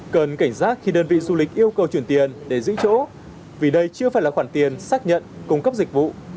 cần cảnh giác khi đơn vị du lịch yêu cầu chuyển tiền để giữ chỗ vì đây chưa phải là khoản tiền xác nhận cung cấp dịch vụ